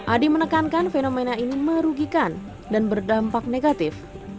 adi menekankan fenomena ini merugikan dan berdampak negatif